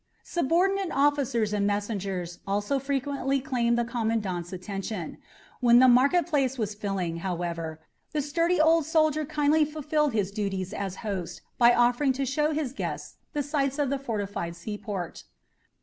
Subordinate officers and messengers also frequently claimed the commandant's attention. When the market place was filling, however, the sturdy old soldier kindly fulfilled his duties as host by offering to show his guests the sights of the fortified seaport.